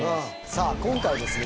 さあ今回はですね